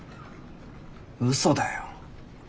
うそだよ。